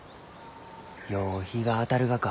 よう日が当たるがか